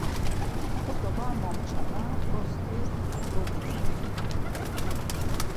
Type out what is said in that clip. Bozo var momçana post̆i gogitzǩare.